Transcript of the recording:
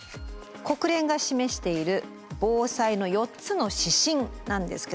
国連が示している防災の４つの指針なんですけども。